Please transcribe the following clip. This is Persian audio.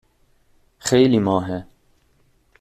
خیلی ماهه